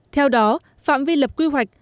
theo đó phạm vi lập quy hoạch